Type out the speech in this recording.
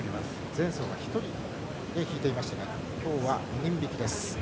前走は１人で引いていましたがきょうは２人引きです。